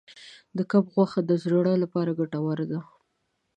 د کب غوښه د زړه لپاره ګټوره ده.